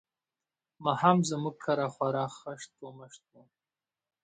ماښام زموږ کره خوار هشت و مشت وو.